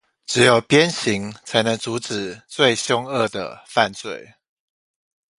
只有鞭刑才能阻止最兇惡的犯罪